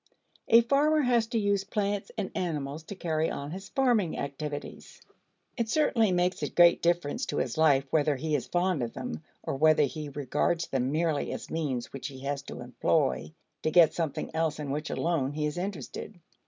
A farmer has to use plants and animals to carry on his farming activities. It certainly makes a great difference to his life whether he is fond of them, or whether he regards them merely as means which he has to employ to get something else in which alone he is interested.